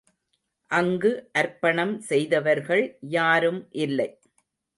அங்கு அர்ப்பணம் செய்தவர்கள் யாரும் இல்லை.